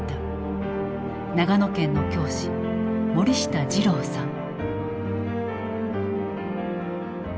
長野県の教師森下二郎さん。